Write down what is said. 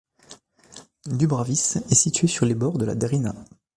Dubravice est situé sur les bords de la Drina.